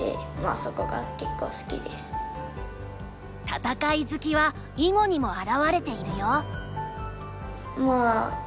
戦い好きは囲碁にも表れているよ。